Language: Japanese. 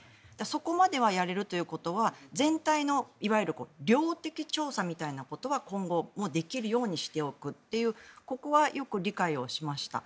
そこまではやれるということは全体の量的調査みたいなことは今後もできるようにしておくというここはよく理解をしました。